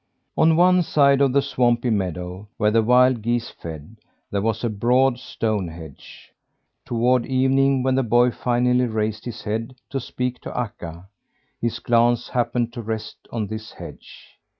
On one side of the swampy meadow, where the wild geese fed, there was a broad stone hedge. Toward evening when the boy finally raised his head, to speak to Akka, his glance happened to rest on this hedge.